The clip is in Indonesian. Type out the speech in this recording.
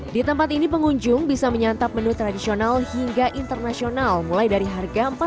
di tempat ini pengunjung bisa menyantap menu tradisional hingga internasional mulai dari harga